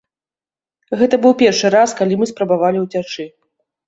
Гэта быў першы раз, калі мы спрабавалі ўцячы.